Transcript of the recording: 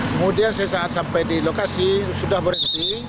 kemudian sesaat sampai di lokasi sudah berhenti